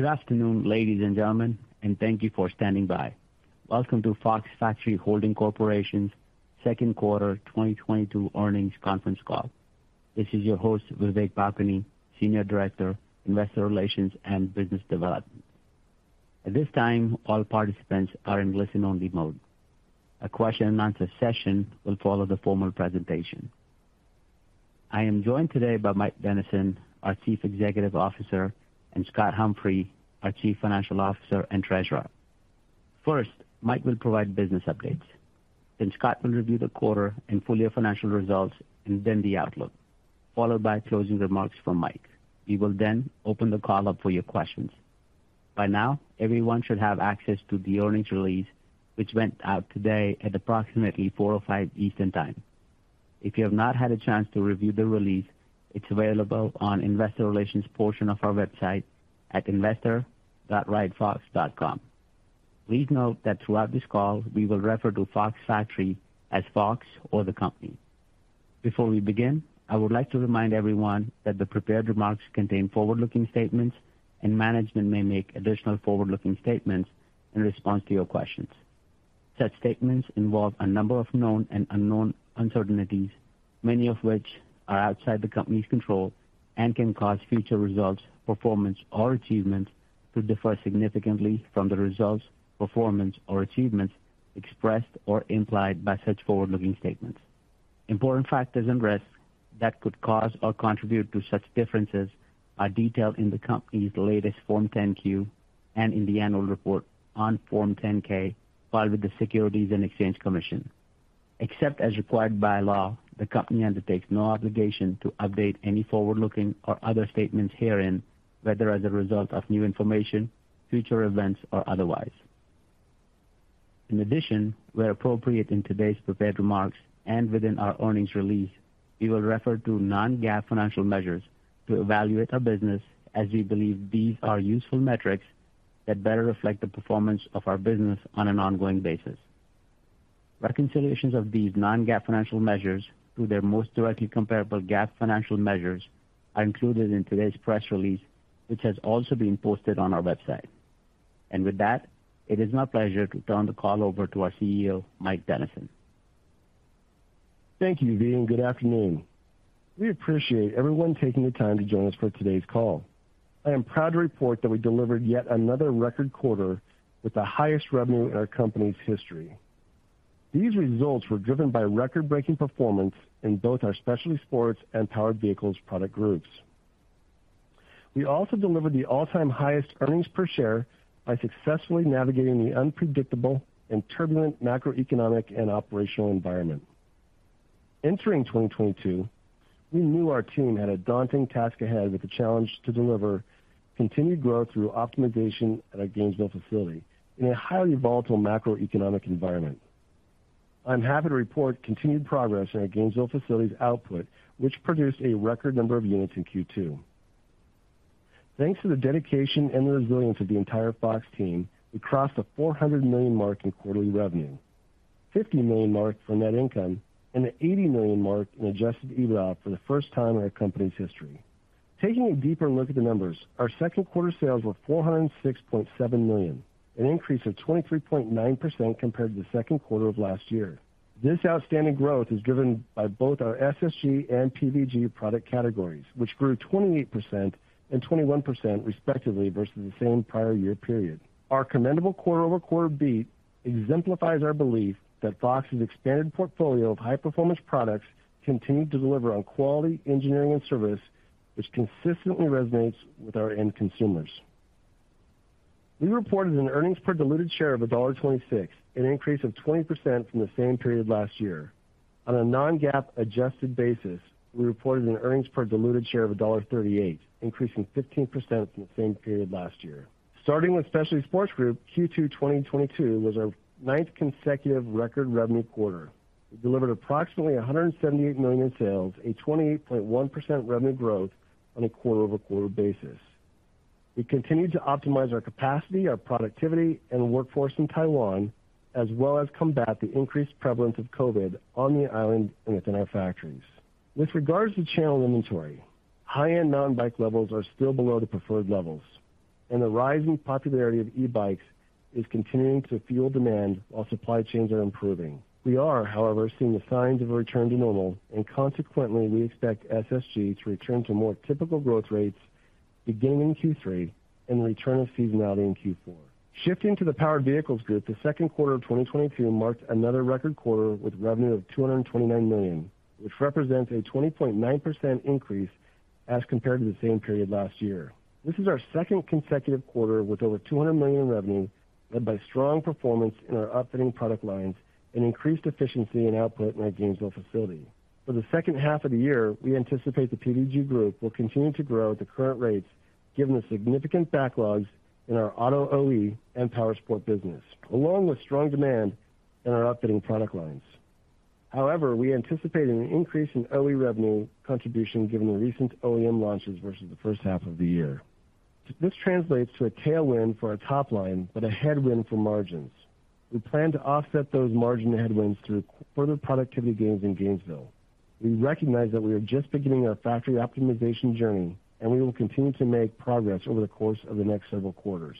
Good afternoon, ladies and gentlemen, and thank you for standing by. Welcome to Fox Factory Holding Corporation's second quarter 2022 earnings conference call. This is your host, Vivek Bhakuni, Senior Director, Investor Relations and Business Development. At this time, all participants are in listen-only mode. A question and answer session will follow the formal presentation. I am joined today by Mike Dennison, our Chief Executive Officer, and Scott Humphrey, our Chief Financial Officer and Treasurer. First, Mike will provide business updates, then Scott will review the quarter and full-year financial results and then the outlook, followed by closing remarks from Mike. We will then open the call up for your questions. By now, everyone should have access to the earnings release, which went out today at approximately 4:05 P.M. Eastern Time. If you have not had a chance to review the release, it's available on investor relations portion of our website at investor.ridefox.com. Please note that throughout this call we will refer to Fox Factory as Fox or the company. Before we begin, I would like to remind everyone that the prepared remarks contain forward-looking statements and management may make additional forward-looking statements in response to your questions. Such statements involve a number of known and unknown uncertainties, many of which are outside the company's control and can cause future results, performance or achievements to differ significantly from the results, performance or achievements expressed or implied by such forward-looking statements. Important factors and risks that could cause or contribute to such differences are detailed in the company's latest Form 10-Q and in the annual report on Form 10-K filed with the Securities and Exchange Commission. Except as required by law, the company undertakes no obligation to update any forward-looking or other statements herein, whether as a result of new information, future events or otherwise. In addition, where appropriate, in today's prepared remarks and within our earnings release, we will refer to non-GAAP financial measures to evaluate our business as we believe these are useful metrics that better reflect the performance of our business on an ongoing basis. Reconciliations of these non-GAAP financial measures to their most directly comparable GAAP financial measures are included in today's press release, which has also been posted on our website. With that, it is my pleasure to turn the call over to our CEO, Mike Dennison. Thank you, V, and good afternoon. We appreciate everyone taking the time to join us for today's call. I am proud to report that we delivered yet another record quarter with the highest revenue in our company's history. These results were driven by record-breaking performance in both our Specialty Sports and Powered Vehicles Group. We also delivered the all-time highest earnings per share by successfully navigating the unpredictable and turbulent macroeconomic and operational environment. Entering 2022, we knew our team had a daunting task ahead with the challenge to deliver continued growth through optimization at our Gainesville facility in a highly volatile macroeconomic environment. I'm happy to report continued progress in our Gainesville facility's output, which produced a record number of units in Q2. Thanks to the dedication and the resilience of the entire Fox team, we crossed the $400 million mark in quarterly revenue, $50 million mark for net income, and the $80 million mark in adjusted EBITDA for the first time in our company's history. Taking a deeper look at the numbers, our second quarter sales were $406.7 million, an increase of 23.9% compared to the second quarter of last year. This outstanding growth is driven by both our SSG and PVG product categories, which grew 28% and 21% respectively versus the same prior year period. Our commendable quarter-over-quarter beat exemplifies our belief that Fox's expanded portfolio of high-performance products continue to deliver on quality engineering and service, which consistently resonates with our end consumers. We reported earnings per diluted share of $1.26, an increase of 20% from the same period last year. On a non-GAAP adjusted basis, we reported earnings per diluted share of $1.38, increasing 15% from the same period last year. Starting with Specialty Sports Group, Q2 2022 was our ninth consecutive record revenue quarter. We delivered approximately $178 million in sales, a 28.1% revenue growth on a quarter-over-quarter basis. We continued to optimize our capacity, our productivity and workforce in Taiwan as well as combat the increased prevalence of COVID on the island and within our factories. With regards to channel inventory, high-end non-bike levels are still below the preferred levels and the rising popularity of e-bikes is continuing to fuel demand while supply chains are improving. We are, however, seeing the signs of a return to normal and consequently we expect SSG to return to more typical growth rates beginning Q3 and return of seasonality in Q4. Shifting to the Powered Vehicles Group, the second quarter of 2022 marked another record quarter with revenue of $229 million, which represents a 20.9% increase as compared to the same period last year. This is our second consecutive quarter with over $200 million in revenue, led by strong performance in our upfitting product lines and increased efficiency and output in our Gainesville facility. For the second half of the year, we anticipate the PVG group will continue to grow at the current rates given the significant backlogs in our auto OE and powersports business, along with strong demand in our upfitting product lines. However, we anticipate an increase in OE revenue contribution given the recent OEM launches versus the first half of the year. This translates to a tailwind for our top line, but a headwind for margins. We plan to offset those margin headwinds through further productivity gains in Gainesville. We recognize that we are just beginning our factory optimization journey, and we will continue to make progress over the course of the next several quarters,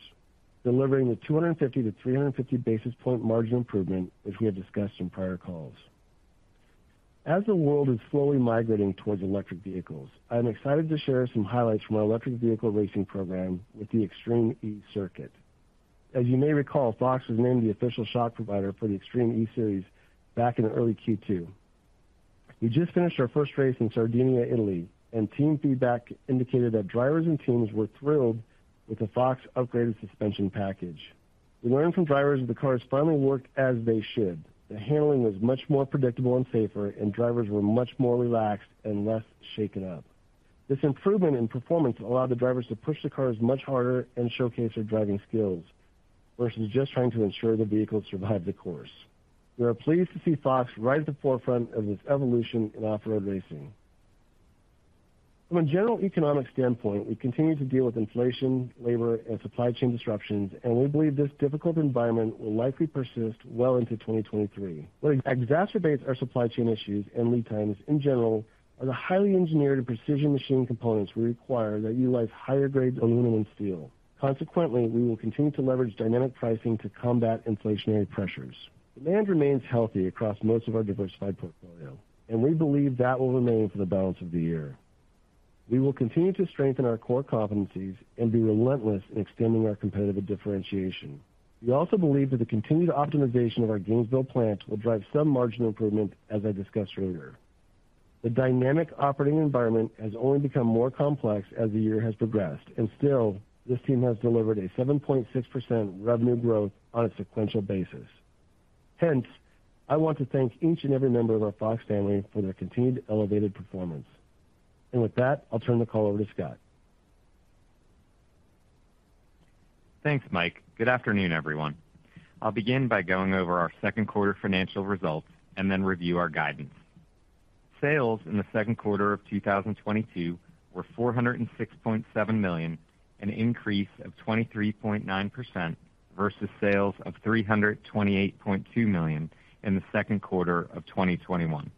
delivering the 250-350 basis point margin improvement as we have discussed in prior calls. As the world is slowly migrating towards electric vehicles, I'm excited to share some highlights from our electric vehicle racing program with the Extreme E Circuit. As you may recall, Fox was named the official shock provider for the Extreme E series back in early Q2. We just finished our first race in Sardinia, Italy, and team feedback indicated that drivers and teams were thrilled with the Fox upgraded suspension package. We learned from drivers that the cars finally worked as they should. The handling was much more predictable and safer, and drivers were much more relaxed and less shaken up. This improvement in performance allowed the drivers to push the cars much harder and showcase their driving skills versus just trying to ensure the vehicle survived the course. We are pleased to see Fox right at the forefront of this evolution in off-road racing. From a general economic standpoint, we continue to deal with inflation, labor, and supply chain disruptions, and we believe this difficult environment will likely persist well into 2023. What exacerbates our supply chain issues and lead times in general are the highly engineered and precision machine components we require that utilize higher grades aluminum and steel. Consequently, we will continue to leverage dynamic pricing to combat inflationary pressures. Demand remains healthy across most of our diversified portfolio, and we believe that will remain for the balance of the year. We will continue to strengthen our core competencies and be relentless in extending our competitive differentiation. We also believe that the continued optimization of our Gainesville plant will drive some marginal improvement, as I discussed earlier. The dynamic operating environment has only become more complex as the year has progressed, and still this team has delivered a 7.6% revenue growth on a sequential basis. Hence, I want to thank each and every member of our Fox family for their continued elevated performance. With that, I'll turn the call over to Scott. Thanks, Mike. Good afternoon, everyone. I'll begin by going over our second quarter financial results and then review our guidance. Sales in the second quarter of 2022 were $406.7 million, an increase of 23.9% versus sales of $328.2 million in the second quarter of 2021.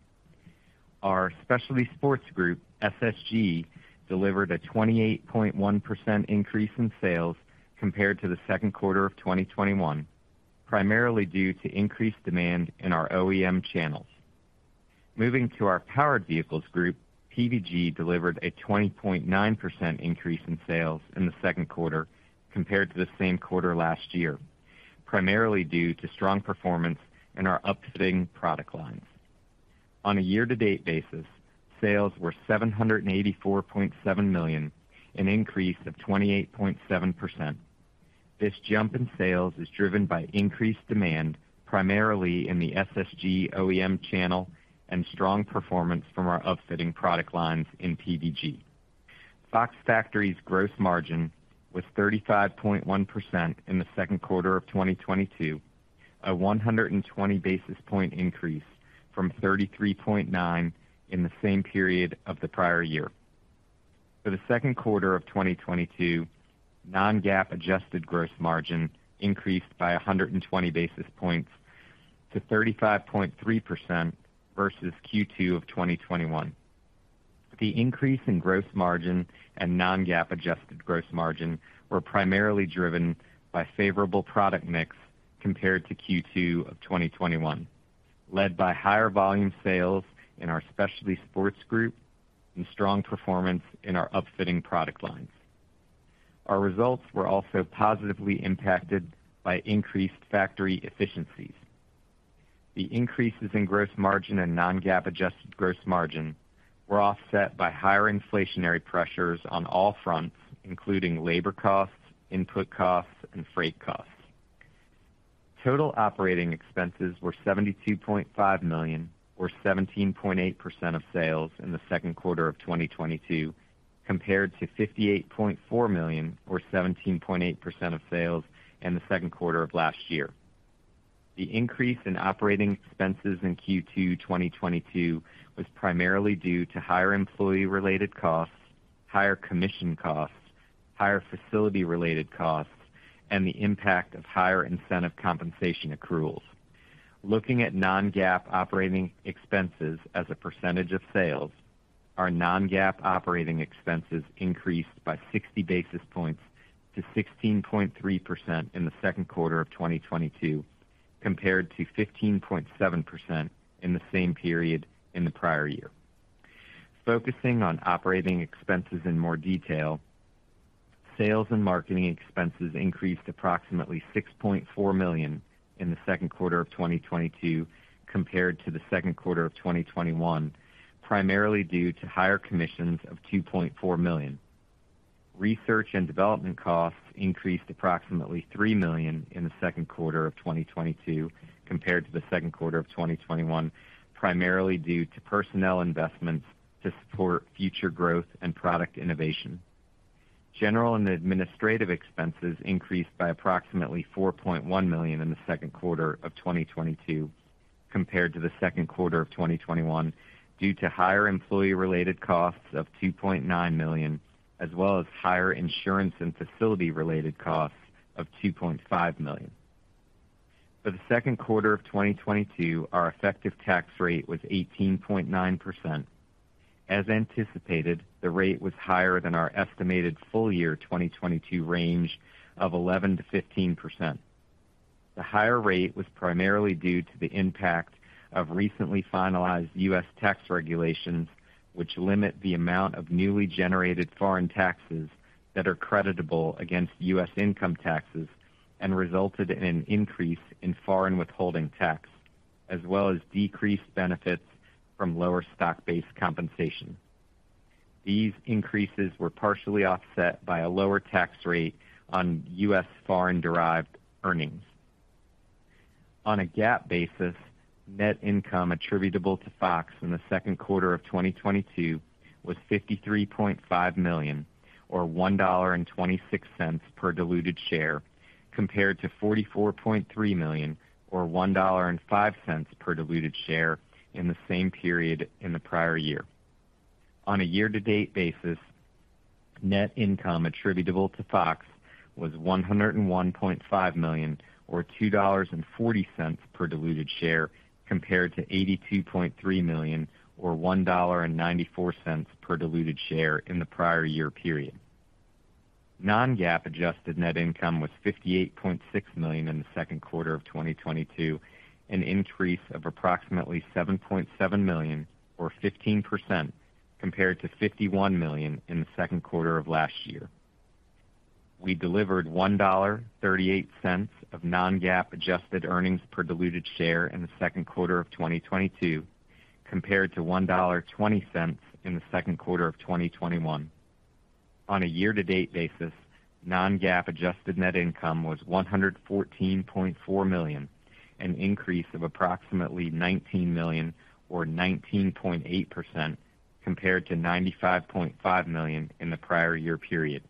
Our Specialty Sports Group, SSG, delivered a 28.1% increase in sales compared to the second quarter of 2021, primarily due to increased demand in our OEM channels. Moving to our Powered Vehicles Group, PVG delivered a 20.9% increase in sales in the second quarter compared to the same quarter last year, primarily due to strong performance in our upfitting product lines. On a year-to-date basis, sales were $784.7 million, an increase of 28.7%. This jump in sales is driven by increased demand, primarily in the SSG OEM channel and strong performance from our upfitting product lines in PVG. Fox Factory's gross margin was 35.1% in the second quarter of 2022, a 120 basis point increase from 33.9% in the same period of the prior year. For the second quarter of 2022, non-GAAP adjusted gross margin increased by 120 basis points to 35.3% versus Q2 of 2021. The increase in gross margin and non-GAAP adjusted gross margin were primarily driven by favorable product mix compared to Q2 of 2021, led by higher volume sales in our Specialty Sports Group and strong performance in our upfitting product lines. Our results were also positively impacted by increased factory efficiencies. The increases in gross margin and non-GAAP adjusted gross margin were offset by higher inflationary pressures on all fronts, including labor costs, input costs, and freight costs. Total operating expenses were $72.5 million or 17.8% of sales in the second quarter of 2022, compared to $58.4 million or 17.8% of sales in the second quarter of last year. The increase in operating expenses in Q2 2022 was primarily due to higher employee-related costs, higher commission costs, higher facility-related costs, and the impact of higher incentive compensation accruals. Looking at non-GAAP operating expenses as a percentage of sales, our non-GAAP operating expenses increased by 60 basis points to 16.3% in the second quarter of 2022, compared to 15.7% in the same period in the prior year. Focusing on operating expenses in more detail, sales and marketing expenses increased approximately $6.4 million in the second quarter of 2022 compared to the second quarter of 2021, primarily due to higher commissions of $2.4 million. Research and development costs increased approximately $3 million in the second quarter of 2022 compared to the second quarter of 2021, primarily due to personnel investments to support future growth and product innovation. General and administrative expenses increased by approximately $4.1 million in the second quarter of 2022 compared to the second quarter of 2021 due to higher employee-related costs of $2.9 million as well as higher insurance and facility-related costs of $2.5 million. For the second quarter of 2022, our effective tax rate was 18.9%. As anticipated, the rate was higher than our estimated full year 2022 range of 11%-15%. The higher rate was primarily due to the impact of recently finalized U.S. tax regulations, which limit the amount of newly generated foreign taxes that are creditable against U.S. income taxes, and resulted in an increase in foreign withholding tax, as well as decreased benefits from lower stock-based compensation. These increases were partially offset by a lower tax rate on U.S. foreign-derived earnings. On a GAAP basis, net income attributable to Fox in the second quarter of 2022 was $53.5 million or $1.26 per diluted share, compared to $44.3 million or $1.05 per diluted share in the same period in the prior year. On a year-to-date basis, net income attributable to Fox was $101.5 million or $2.40 per diluted share, compared to $82.3 million or $1.94 per diluted share in the prior year period. Non-GAAP adjusted net income was $58.6 million in the second quarter of 2022, an increase of approximately $7.7 million or 15% compared to $51 million in the second quarter of last year. We delivered $1.38 of non-GAAP adjusted earnings per diluted share in the second quarter of 2022 compared to $1.20 in the second quarter of 2021. On a year-to-date basis, non-GAAP adjusted net income was $114.4 million, an increase of approximately $19 million or 19.8% compared to $95.5 million in the prior year period.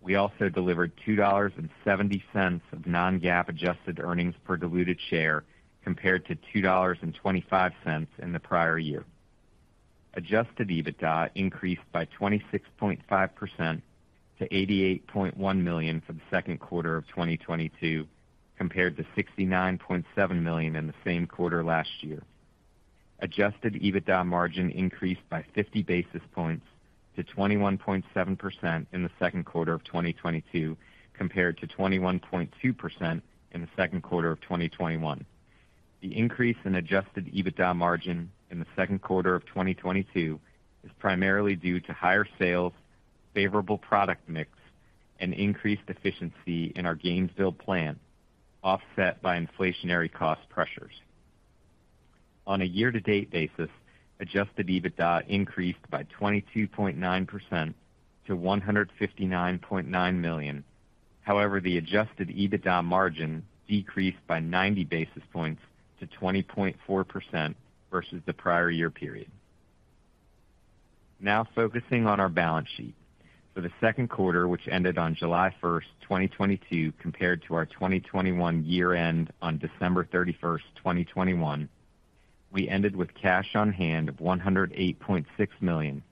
We also delivered $2.70 of non-GAAP adjusted earnings per diluted share, compared to $2.25 in the prior year. Adjusted EBITDA increased by 26.5% to $88.1 million for the second quarter of 2022 compared to $69.7 million in the same quarter last year. Adjusted EBITDA margin increased by 50 basis points to 21.7% in the second quarter of 2022 compared to 21.2% in the second quarter of 2021. The increase in adjusted EBITDA margin in the second quarter of 2022 is primarily due to higher sales, favorable product mix, and increased efficiency in our Gainesville plant, offset by inflationary cost pressures. On a year-to-date basis, adjusted EBITDA increased by 22.9% to $159.9 million. However, the adjusted EBITDA margin decreased by 90 basis points to 20.4% versus the prior year period. Now focusing on our balance sheet. For the second quarter, which ended on July 1, 2022, compared to our 2021 year-end on December 31, 2021, we ended with cash on hand of $108.6 million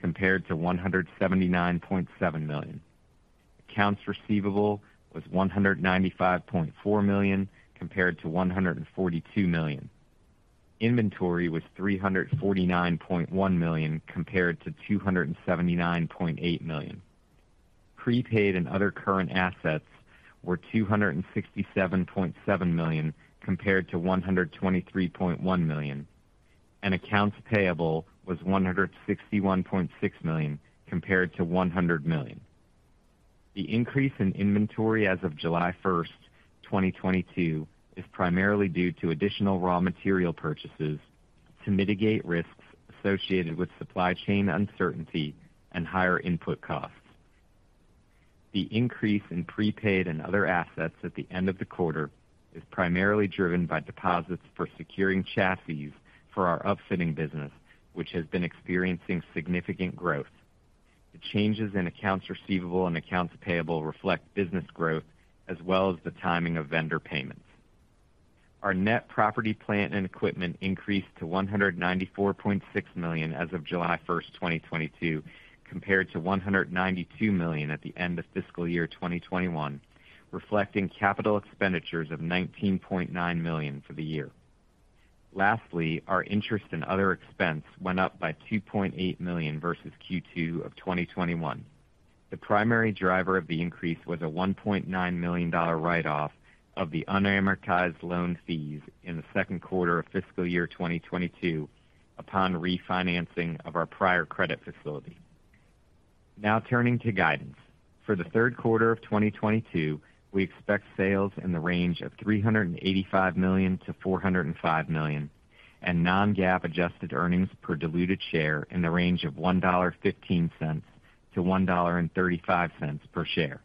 compared to $179.7 million. Accounts receivable was $195.4 million compared to $142 million. Inventory was $349.1 million compared to $279.8 million. Prepaid and other current assets were $267.7 million compared to $123.1 million, and accounts payable was $161.6 million compared to $100 million. The increase in inventory as of July 1, 2022, is primarily due to additional raw material purchases to mitigate risks associated with supply chain uncertainty and higher input costs. The increase in prepaid and other assets at the end of the quarter is primarily driven by deposits for securing chassis for our upfitting business, which has been experiencing significant growth. The changes in accounts receivable and accounts payable reflect business growth as well as the timing of vendor payments. Our net property, plant and equipment increased to $194.6 million as of July 1st 2022, compared to $192 million at the end of fiscal year 2021, reflecting capital expenditures of $19.9 million for the year. Lastly, our interest and other expense went up by $2.8 million versus Q2 of 2021. The primary driver of the increase was a $1.9 million write-off of the unamortized loan fees in the second quarter of fiscal year 2022 upon refinancing of our prior credit facility. Now turning to guidance. For the third quarter of 2022, we expect sales in the range of $385 million-$405 million, and non-GAAP adjusted earnings per diluted share in the range of $1.15-$1.35 per share.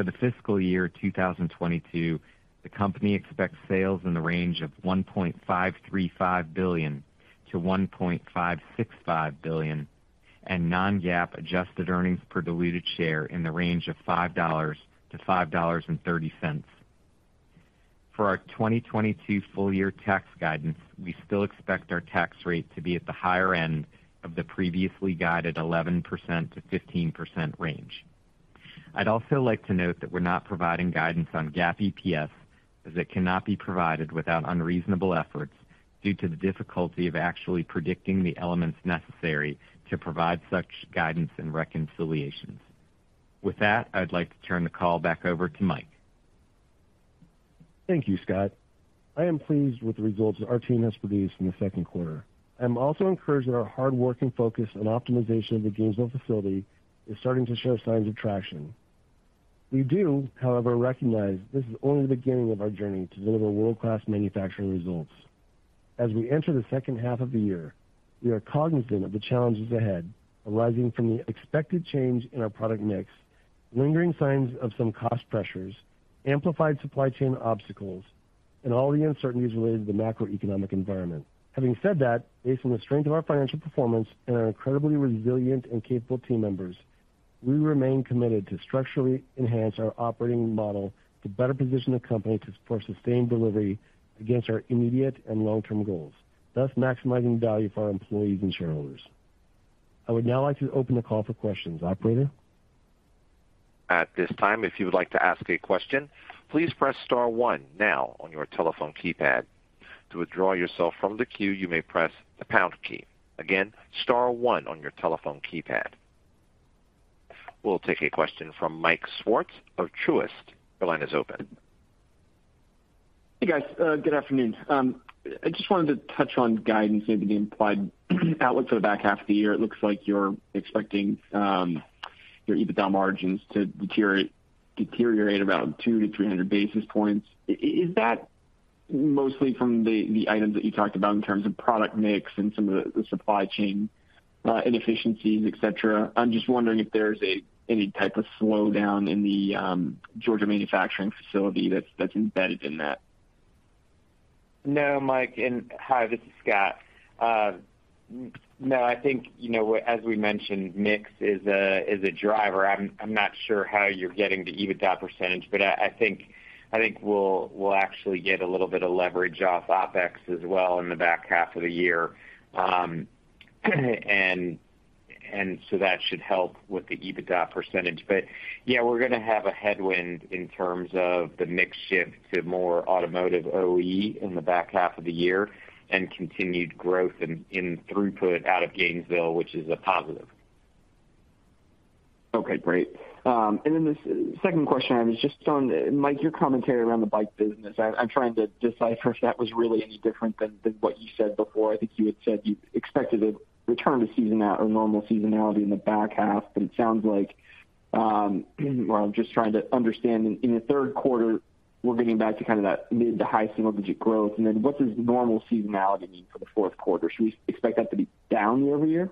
For the fiscal year 2022, the company expects sales in the range of $1.535 billion-$1.565 billion, and non-GAAP adjusted earnings per diluted share in the range of $5.00-$5.30. For our 2022 full year tax guidance, we still expect our tax rate to be at the higher end of the previously guided 11%-15% range. I'd also like to note that we're not providing guidance on GAAP EPS as it cannot be provided without unreasonable efforts due to the difficulty of actually predicting the elements necessary to provide such guidance and reconciliations. With that, I'd like to turn the call back over to Mike. Thank you, Scott. I am pleased with the results that our team has produced in the second quarter. I'm also encouraged that our hard work and focus on optimization of the Gainesville facility is starting to show signs of traction. We do, however, recognize this is only the beginning of our journey to deliver world-class manufacturing results. As we enter the second half of the year, we are cognizant of the challenges ahead arising from the expected change in our product mix, lingering signs of some cost pressures, amplified supply chain obstacles, and all the uncertainties related to the macroeconomic environment. Having said that, based on the strength of our financial performance and our incredibly resilient and capable team members, we remain committed to structurally enhance our operating model to better position the company to support sustained delivery against our immediate and long-term goals, thus maximizing value for our employees and shareholders. I would now like to open the call for questions. Operator? At this time, if you would like to ask a question, please press star one now on your telephone keypad. To withdraw yourself from the queue, you may press the pound key. Again, star one on your telephone keypad. We'll take a question from Michael Swartz of Truist. Your line is open. Hey, guys. Good afternoon. I just wanted to touch on guidance, maybe the implied outlook for the back half of the year. It looks like you're expecting your EBITDA margins to deteriorate about 200-300 basis points. Is that mostly from the items that you talked about in terms of product mix and some of the supply chain inefficiencies, et cetera? I'm just wondering if there's any type of slowdown in the Georgia manufacturing facility that's embedded in that. No, Mike. Hi, this is Scott. No, I think, you know, as we mentioned, mix is a driver. I'm not sure how you're getting the EBITDA percentage, but I think we'll actually get a little bit of leverage off OpEx as well in the back half of the year. That should help with the EBITDA percentage. Yeah, we're gonna have a headwind in terms of the mix shift to more automotive OE in the back half of the year and continued growth in throughput out of Gainesville, which is a positive. Okay, great. The second question I have is just on Mike, your commentary around the bike business. I'm trying to decipher if that was really any different than what you said before. I think you had said you expected a return to normal seasonality in the back half, but it sounds like, well, I'm just trying to understand. In the third quarter, we're getting back to kind of that mid- to high single-digit growth. Then what does normal seasonality mean for the fourth quarter? Should we expect that to be down year-over-year?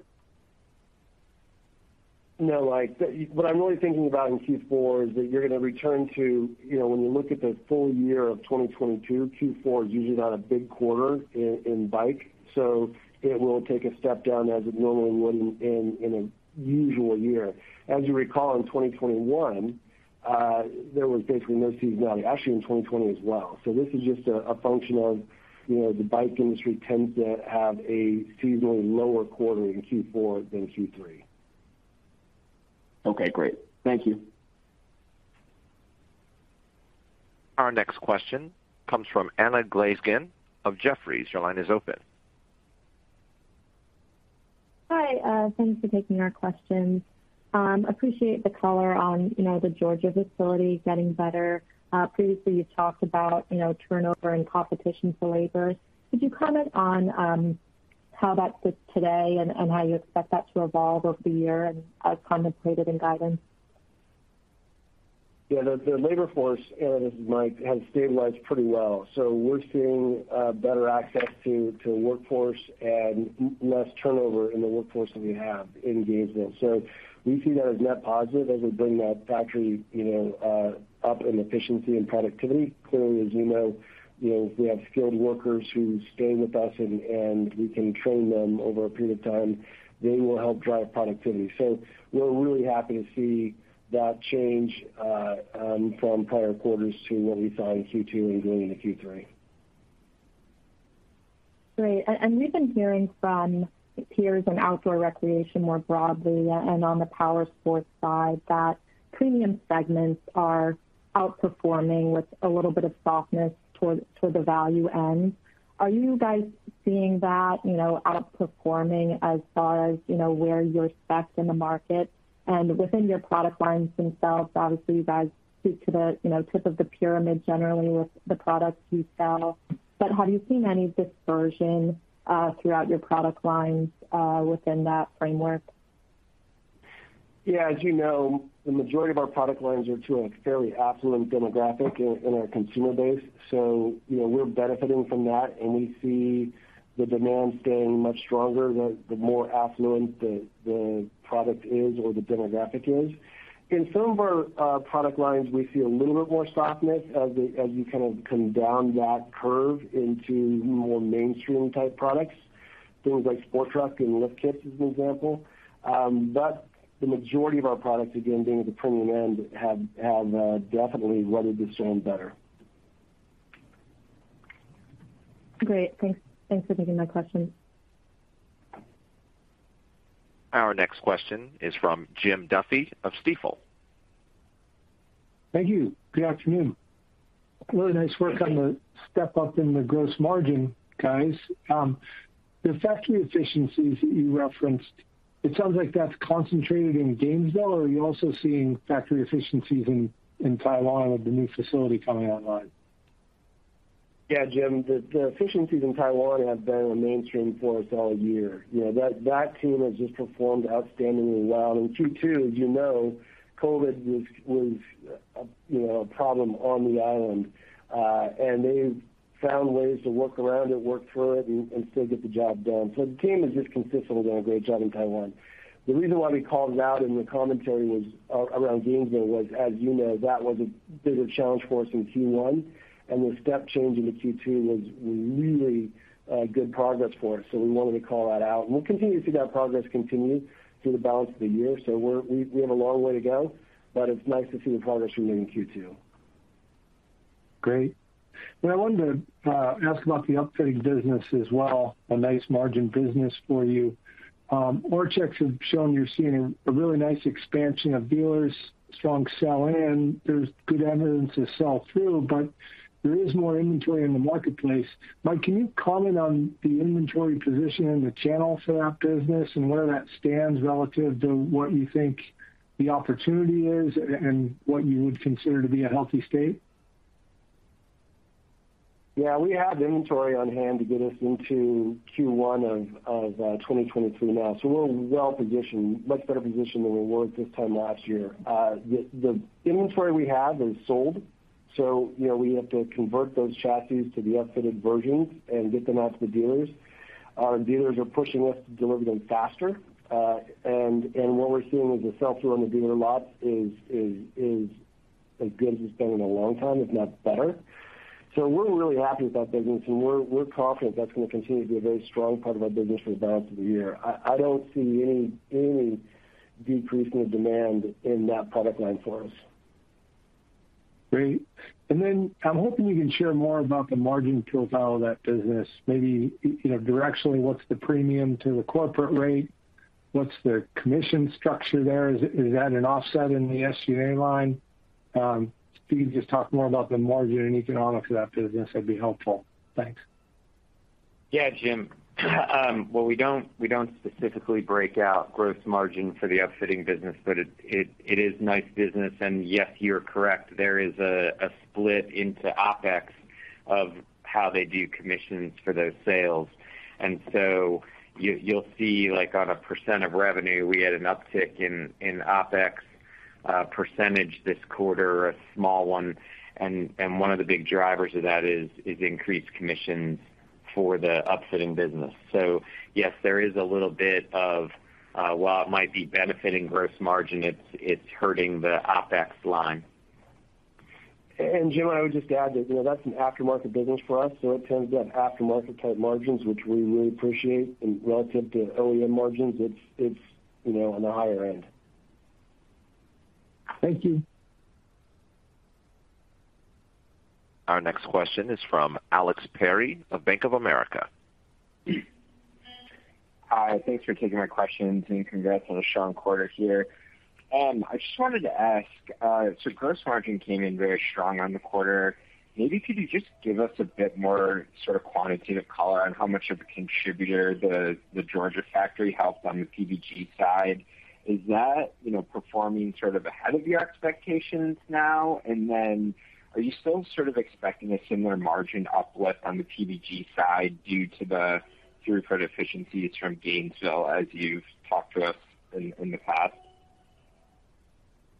No, Mike. What I'm really thinking about in Q4 is that you're gonna return to, you know, when you look at the full year of 2022, Q4 is usually not a big quarter in bike, so it will take a step down as it normally would in a usual year. As you recall, in 2021, there was basically no seasonality, actually in 2020 as well. So this is just a function of, you know, the bike industry tends to have a seasonally lower quarter in Q4 than Q3. Okay, great. Thank you. Our next question comes from Anna Glaessgen of Jefferies. Your line is open. Hi. Thanks for taking our questions. Appreciate the color on, you know, the Georgia facility getting better. Previously, you talked about, you know, turnover and competition for labor. Could you comment on how that sits today and how you expect that to evolve over the year and as contemplated in guidance? Yeah. The labor force, Anna, this is Mike, has stabilized pretty well. We're seeing better access to workforce and much less turnover in the workforce that we have in Gainesville. We see that as net positive as we bring that factory, you know, up in efficiency and productivity. Clearly, as you know, you know, if we have skilled workers who stay with us and we can train them over a period of time, they will help drive productivity. We're really happy to see that change from prior quarters to what we saw in Q2 and going into Q3. Great. We've been hearing from peers in outdoor recreation more broadly and on the powersports side that premium segments are outperforming with a little bit of softness toward the value end. Are you guys seeing that, you know, outperforming as far as, you know, where you're specced in the market? Within your product lines themselves, obviously, you guys speak to the, you know, tip of the pyramid generally with the products you sell, but have you seen any dispersion throughout your product lines within that framework? Yeah. As you know, the majority of our product lines are to a fairly affluent demographic in our consumer base. You know, we're benefiting from that, and we see the demand staying much stronger the more affluent the product is or the demographic is. In some of our product lines, we see a little bit more softness as you kind of come down that curve into more mainstream type products, things like Sport Truck and lift kits as an example. The majority of our products again being at the premium end have definitely weathered the storm better. Great. Thanks. Thanks for taking my question. Our next question is from Jim Duffy of Stifel. Thank you. Good afternoon. Really nice work on the step-up in the gross margin, guys. The factory efficiencies you referenced, it sounds like that's concentrated in Gainesville, or are you also seeing factory efficiencies in Taiwan with the new facility coming online? Yeah, Jim, the efficiencies in Taiwan have been a mainstay for us all year. You know, that team has just performed outstandingly well. In Q2, as you know, COVID was, you know, a problem on the island, and they've found ways to work around it, work through it, and still get the job done. The team has just consistently done a great job in Taiwan. The reason why we called it out in the commentary was around Gainesville, as you know, that was a bigger challenge for us in Q1, and the step change into Q2 was really good progress for us. We wanted to call that out. We'll continue to see that progress continue through the balance of the year. We have a long way to go, but it's nice to see the progress we made in Q2. Great. I wanted to ask about the upfitting business as well, a nice margin business for you. Our checks have shown you're seeing a really nice expansion of dealers, strong sell-in. There's good evidence of sell-through, but there is more inventory in the marketplace. Mike, can you comment on the inventory position in the channel for that business and where that stands relative to what you think the opportunity is and what you would consider to be a healthy state? Yeah. We have inventory on hand to get us into Q1 of 2022 now, so we're well-positioned, much better positioned than we were at this time last year. The inventory we have is sold, so, you know, we have to convert those chassis to the upfitted versions and get them out to the dealers. Our dealers are pushing us to deliver them faster. What we're seeing is the sell-through on the dealer lots is as good as it's been in a long time, if not better. We're really happy with that business, and we're confident that's gonna continue to be a very strong part of our business for the balance of the year. I don't see any decreasing of demand in that product line for us. Great. I'm hoping you can share more about the margin profile of that business. Maybe, you know, directionally, what's the premium to the corporate rate? What's the commission structure there? Is that an offset in the SG&A line? If you can just talk more about the margin and economics of that business, that'd be helpful. Thanks. Yeah, Jim. Well, we don't specifically break out gross margin for the upfitting business, but it is nice business. Yes, you're correct, there is a split into OpEx of how they do commissions for those sales. You will see, like, on a percent of revenue, we had an uptick in OpEx percentage this quarter, a small one, and one of the big drivers of that is increased commissions for the upfitting business. Yes, there is a little bit of while it might be benefiting gross margin, it's hurting the OpEx line. Jim, I would just add that, you know, that's an aftermarket business for us, so it tends to have aftermarket-type margins, which we really appreciate. Relative to OEM margins, it's you know, on the higher end. Thank you. Our next question is from Alex Perry of Bank of America. Hi, thanks for taking my questions, and congrats on a strong quarter here. I just wanted to ask, gross margin came in very strong on the quarter. Maybe could you just give us a bit more sort of quantitative color on how much of a contributor the Georgia factory helped on the PVG side? Is that, you know, performing sort of ahead of your expectations now? And then are you still sort of expecting a similar margin uplift on the PVG side due to the throughput efficiencies from Gainesville as you've talked to us in the past?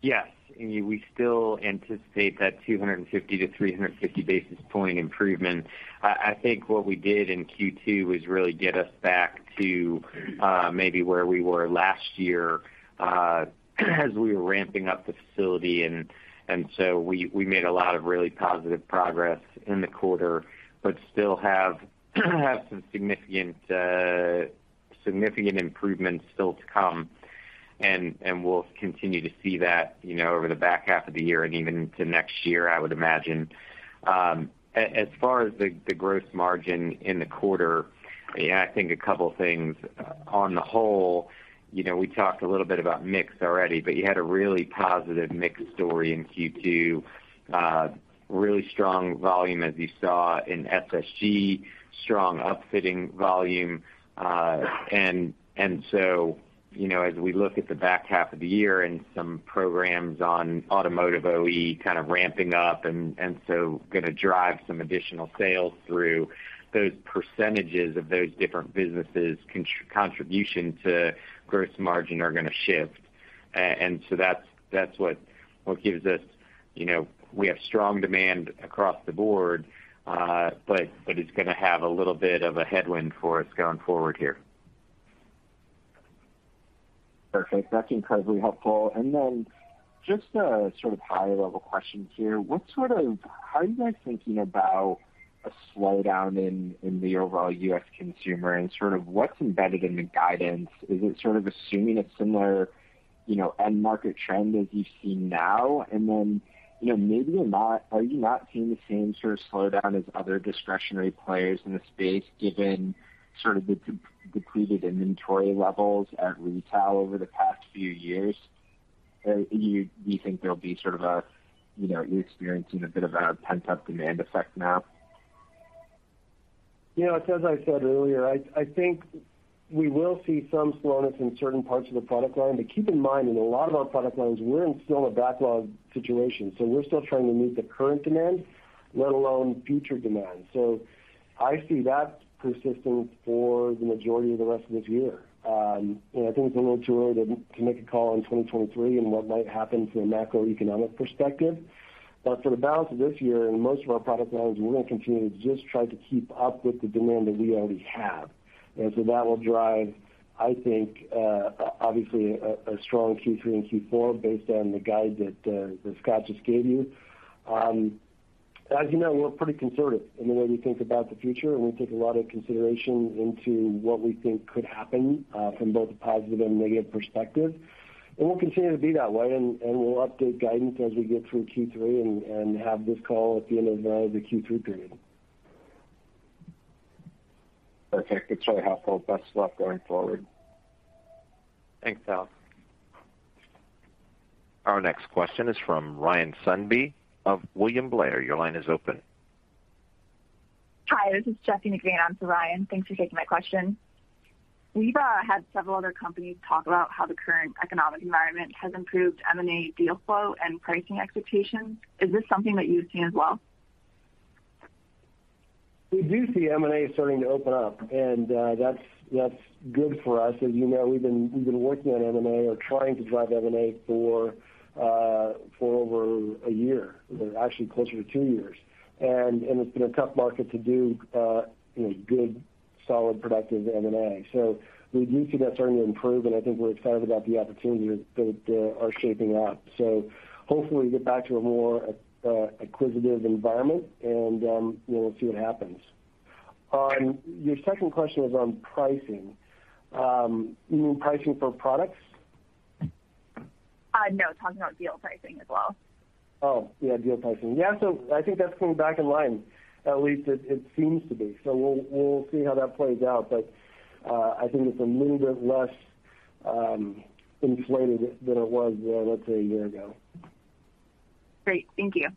Yes. I mean, we still anticipate that 250-350 basis point improvement. I think what we did in Q2 was really get us back to maybe where we were last year as we were ramping up the facility. So we made a lot of really positive progress in the quarter, but still have some significant improvements still to come, and we'll continue to see that, you know, over the back half of the year and even into next year, I would imagine. As far as the gross margin in the quarter, yeah, I think a couple things. On the whole, you know, we talked a little bit about mix already, but you had a really positive mix story in Q2. Really strong volume, as you saw in SSG, strong upfitting volume. You know, as we look at the back half of the year and some programs on automotive OE kind of ramping up and gonna drive some additional sales through those percentages of those different businesses' contribution to gross margin are gonna shift. That's what gives us, you know, we have strong demand across the board, but it's gonna have a little bit of a headwind for us going forward here. Perfect. That's incredibly helpful. Just a sort of high-level question here. How are you guys thinking about a slowdown in the overall U.S. consumer, and sort of what's embedded in the guidance? Is it sort of assuming a similar, you know, end market trend as you see now, and then, you know, are you not seeing the same sort of slowdown as other discretionary players in the space given sort of the depleted inventory levels at retail over the past few years? Do you think there'll be sort of a, you know, you're experiencing a bit of a pent-up demand effect now? You know, it's as I said earlier, I think we will see some slowness in certain parts of the product line. Keep in mind, in a lot of our product lines, we're in still a backlog situation. We're still trying to meet the current demand, let alone future demand. I see that persisting for the majority of the rest of this year. You know, I think it's a little too early to make a call on 2023 and what might happen from a macroeconomic perspective. For the balance of this year, in most of our product lines, we're gonna continue to just try to keep up with the demand that we already have. That will drive, I think, obviously a strong Q3 and Q4 based on the guide that Scott just gave you. As you know, we're pretty conservative in the way we think about the future, and we take a lot of consideration into what we think could happen from both a positive and negative perspective. We'll continue to be that way and we'll update guidance as we get through Q3 and have this call at the end of the Q3 period. Perfect. It's very helpful. Best of luck going forward. Thanks, Al. Our next question is from Ryan Sundby of William Blair. Your line is open. Hi, this is Jessye McVane on for Ryan. Thanks for taking my question. We've had several other companies talk about how the current economic environment has improved M&A deal flow and pricing expectations. Is this something that you've seen as well? We do see M&A starting to open up, and that's good for us. As you know, we've been working on M&A or trying to drive M&A for over a year. Actually closer to two years. It's been a tough market to do, you know, good, solid, productive M&A. We do see that starting to improve, and I think we're excited about the opportunities that are shaping up. Hopefully we get back to a more acquisitive environment, and you know we'll see what happens. Your second question was on pricing. You mean pricing for products? No, talking about deal pricing as well. Oh, yeah, deal pricing. Yeah, I think that's coming back in line, at least it seems to be. We'll see how that plays out. I think it's a little bit less inflated than it was, let's say a year ago. Great. Thank you.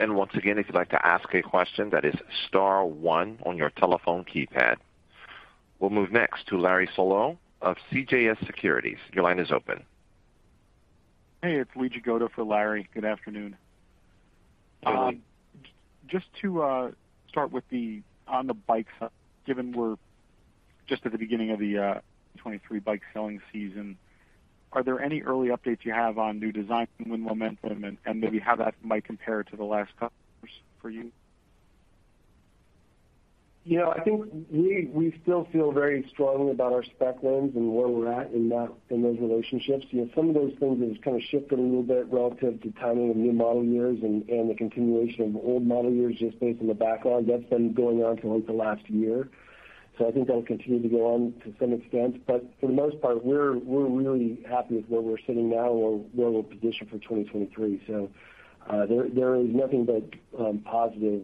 Once again, if you'd like to ask a question, that is star one on your telephone keypad. We'll move next to Larry Solow of CJS Securities. Your line is open. Hey, it's Luigi Goto for Larry Solow. Good afternoon. Luigi. Just to start with, on the bikes, given we're just at the beginning of the 2023 bike selling season, are there any early updates you have on new design win momentum and maybe how that might compare to the last couple years for you? You know, I think we still feel very strongly about our spec wins and where we're at in those relationships. You know, some of those things have kind of shifted a little bit relative to timing of new model years and the continuation of old model years just based on the backlog. That's been going on for like the last year. I think that'll continue to go on to some extent. For the most part, we're really happy with where we're sitting now and where we're positioned for 2023. There is nothing but positive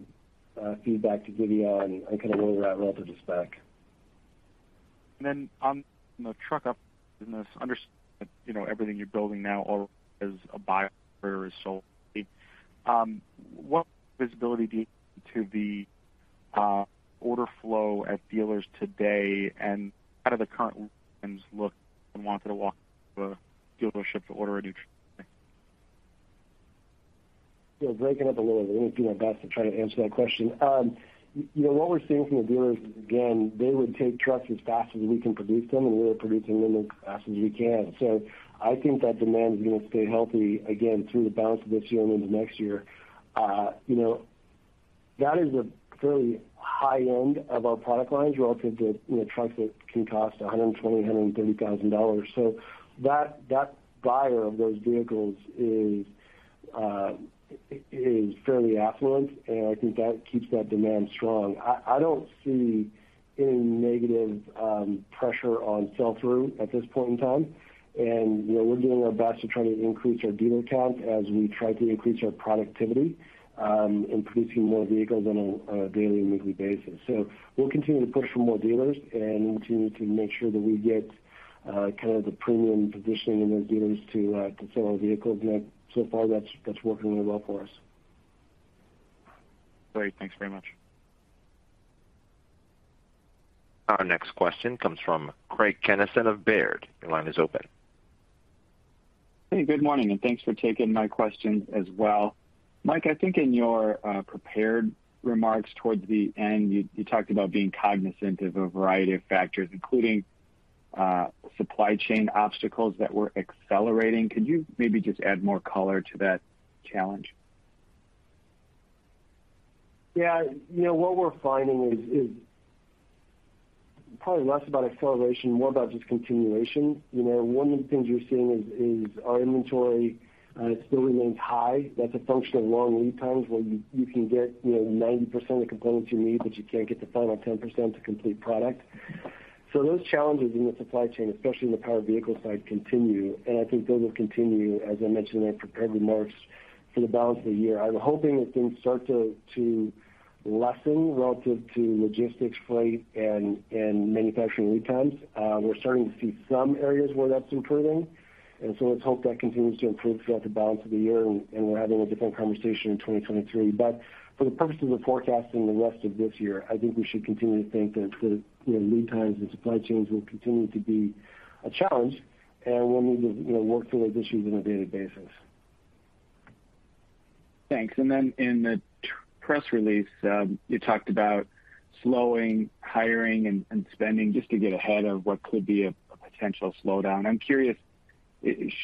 feedback to give you on kind of where we're at relative to spec. On the truck-up business, I understand everything you're building now is already sold. What visibility do you give to the order flow at dealers today, and how does the current backlog and demand look for the walk to a dealership to order a new truck? You're breaking up a little. Let me do my best to try to answer that question. You know, what we're seeing from the dealers, again, they would take trucks as fast as we can produce them, and we're producing them as fast as we can. I think that demand is gonna stay healthy again through the balance of this year and into next year. You know, that is a fairly high end of our product lines relative to, you know, trucks that can cost $120,000-$130,000. That buyer of those vehicles is fairly affluent, and I think that keeps that demand strong. I don't see any negative pressure on sell-through at this point in time. You know, we're doing our best to try to increase our dealer count as we try to increase our productivity in producing more vehicles on a daily and weekly basis. We'll continue to push for more dealers and continue to make sure that we get kind of the premium positioning in those dealers to sell our vehicles. So far that's working really well for us. Great. Thanks very much. Our next question comes from Craig Kennison of Baird. Your line is open. Hey, good morning, and thanks for taking my question as well. Mike, I think in your prepared remarks towards the end, you talked about being cognizant of a variety of factors, including supply chain obstacles that were accelerating. Could you maybe just add more color to that challenge? Yeah. You know, what we're finding is probably less about acceleration, more about just continuation. You know, one of the things you're seeing is our inventory still remains high. That's a function of long lead times where you can get, you know, 90% of the components you need, but you can't get the final 10% to complete product. Those challenges in the supply chain, especially in the powered vehicle side, continue, and I think those will continue, as I mentioned in my prepared remarks, for the balance of the year. I'm hoping that things start to lessen relative to logistics, freight, and manufacturing lead times. We're starting to see some areas where that's improving. Let's hope that continues to improve throughout the balance of the year and we're having a different conversation in 2023. For the purposes of forecasting the rest of this year, I think we should continue to think that the, you know, lead times and supply chains will continue to be a challenge, and we'll need to, you know, work through those issues on a daily basis. Thanks. In the press release, you talked about slowing hiring and spending just to get ahead of what could be a potential slowdown. I'm curious,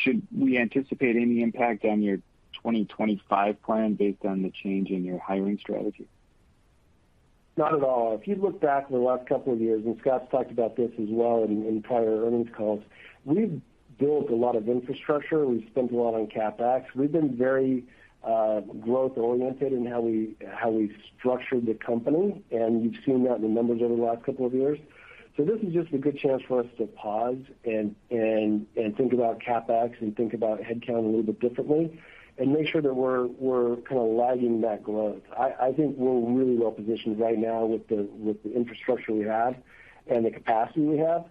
should we anticipate any impact on your 2025 plan based on the change in your hiring strategy? Not at all. If you look back over the last couple of years, and Scott's talked about this as well in prior earnings calls, we've built a lot of infrastructure. We've spent a lot on CapEx. We've been very growth-oriented in how we've structured the company, and you've seen that in the numbers over the last couple of years. This is just a good chance for us to pause and think about CapEx and think about headcount a little bit differently and make sure that we're kinda lagging that growth. I think we're really well positioned right now with the infrastructure we have and the capacity we have.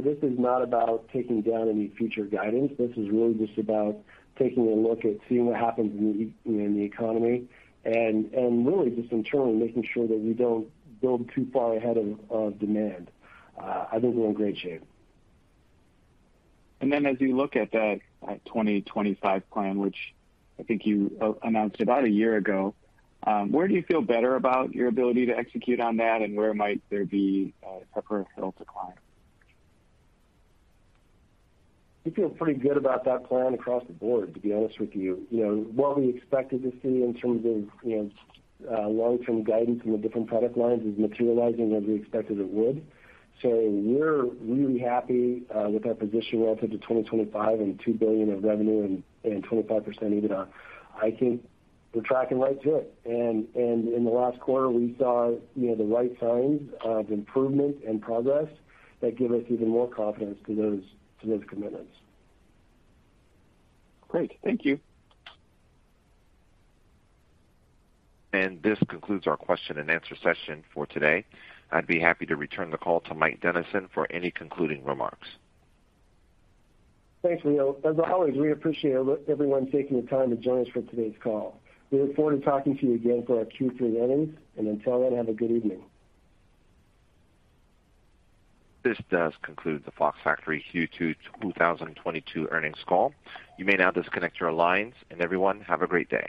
This is not about taking down any future guidance. This is really just about taking a look at seeing what happens in the economy and really just internally making sure that we don't build too far ahead of demand. I think we're in great shape. As you look at that 2025 plan, which I think you announced about a year ago, where do you feel better about your ability to execute on that, and where might there be a tougher hill to climb? We feel pretty good about that plan across the board, to be honest with you. You know, what we expected to see in terms of, you know, long-term guidance from the different product lines is materializing as we expected it would. We're really happy with our position relative to 2025 and $2 billion of revenue and 25% EBITDA. I think we're tracking right to it. In the last quarter, we saw, you know, the right signs of improvement and progress that give us even more confidence to those commitments. Great. Thank you. This concludes our question-and-answer session for today. I'd be happy to return the call to Mike Dennison for any concluding remarks. Thanks, Leo. As always, we appreciate everyone taking the time to join us for today's call. We look forward to talking to you again for our Q3 earnings. Until then, have a good evening. This does conclude the Fox Factory Q2 2022 earnings call. You may now disconnect your lines, and everyone, have a great day.